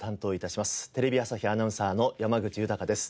テレビ朝日アナウンサーの山口豊です。